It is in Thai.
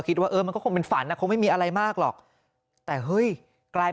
คิดว่าเออมันก็คงเป็นฝันอ่ะคงไม่มีอะไรมากหรอกแต่เฮ้ยกลายเป็น